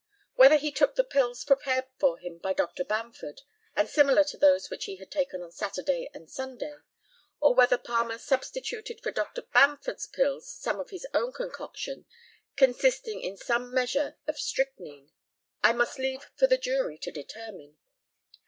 Whether he took the pills prepared for him by Dr. Bamford, and similar to those which he had taken on Saturday and Sunday, or whether Palmer substituted for Dr. Bamford's pills some of his own concoction, consisting in some measure of strychnine, I must leave for the jury to determine.